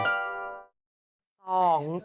ก่อน๗